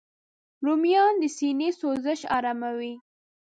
رومیان د سینې سوزش آراموي